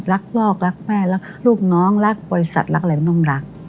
รักพ่อรักแม่รักลูกน้องรักบริษัทรักอะไรต้องรัก